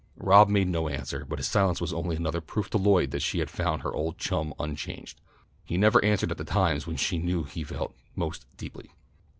Rob made no answer, but his silence was only another proof to Lloyd that she had found her old chum unchanged. He never answered at the times when she knew he felt most deeply.